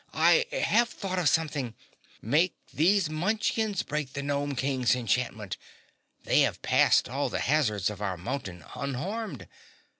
"I HAVE thought of something. Make these Munchkins break the Gnome King's enchantment. They have passed all the hazards of our mountain unharmed.